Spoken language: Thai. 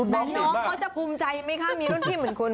แต่น้องเขาจะภูมิใจไหมคะมีรุ่นพี่เหมือนคุณ